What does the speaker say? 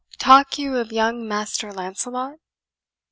Talk you of young Master Lancelot?